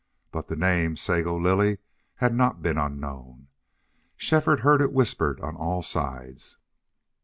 But the name Sago Lily had not been unknown; Shefford heard it whispered on all sides.